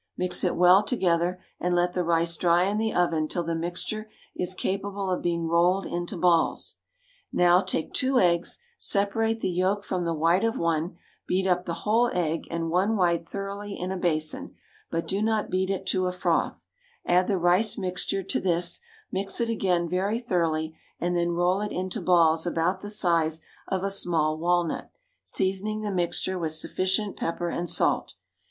Mix it well together, and let the rice dry in the oven till the mixture is capable of being rolled into balls. Now take two eggs, separate the yolk from the white of one, beat up the whole egg and one white thoroughly in a basin, but do no beat it to a froth; add the rice mixture to this, mix it again very thoroughly, and then roll it into balls about the size of a small walnut, seasoning the mixture with sufficient pepper and salt.